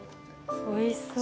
おいしそう。